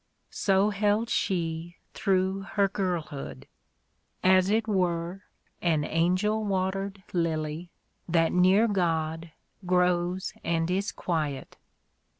So held she through her girlhood ; as it were An angel watered lily, that near God Grows and is quiet.